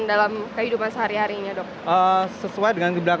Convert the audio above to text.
ya kurang lebih